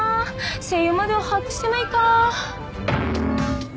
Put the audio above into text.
声優までは把握してないか。